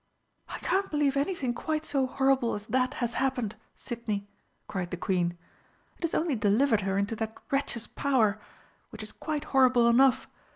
"I can't believe anything quite so horrible as that has happened, Sidney," cried the Queen. "It has only delivered her into that wretch's power which is quite horrible enough!